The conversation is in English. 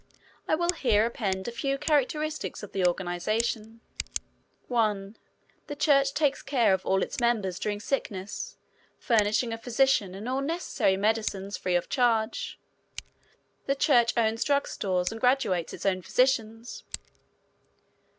I will here append a few characteristics of the organization: 1. The church takes care of all its members during sickness, furnishing a physician and all necessary medicines free of charge. The church owns drug stores and graduates its own physicians.